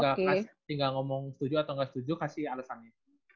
lu tinggal ngomong setuju atau enggak setuju kasih alesannya